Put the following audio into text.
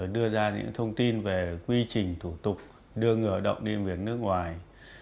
đưa ra những thông tin về quy trình thủ tục đưa người lao động đi làm việc nước ngoài